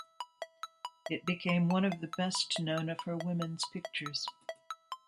It became one of the best known of her women's pictures.